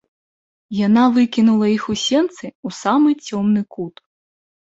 Яна выкінула іх у сенцы ў самы цёмны кут.